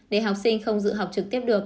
để học sinh không dự học trực tiếp được